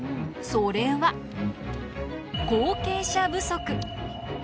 それは後継者不足。